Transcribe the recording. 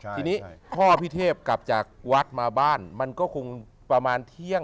ทีนี้พ่อพี่เทพกลับจากวัดมาบ้านมันก็คงประมาณเที่ยง